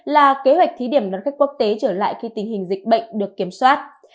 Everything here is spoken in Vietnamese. là kế hoạch thí điểm đón khách quốc tế trở lại khi tình hình dịch bệnh được kiểm soát